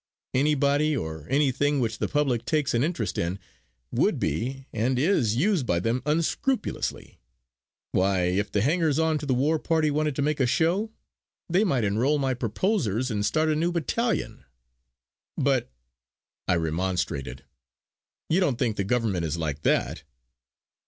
Anybody or anything which the public takes an interest in would be, and is, used by them unscrupulously. Why, if the hangers on to the war party wanted to make a show, they might enroll my proposers and start a new battalion." "But," I remonstrated, "you don't think the Government is like that?"